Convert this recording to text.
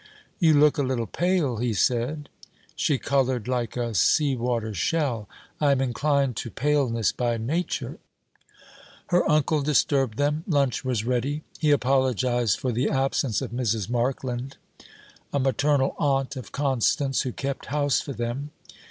'You look a little pale,' he said. She coloured like a sea water shell. 'I am inclined to paleness by nature.' Her uncle disturbed them. Lunch was ready. He apologized for the absence of Mrs. Markland, a maternal aunt of Constance, who kept house for them.